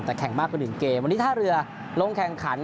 แต่แข่งมากกว่า๑เกมวันนี้ท่าเรือลงแข่งขัน